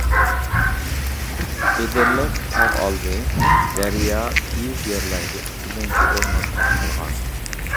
ئېدىرلىق، تاغ ئالدى، دەريا تېيىز يەرلەرگە ئىككىلەمچى ئورمان تارقالغان.